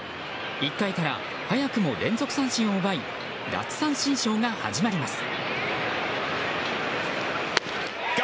１回から早くも連続三振を奪い奪三振ショーが始まります。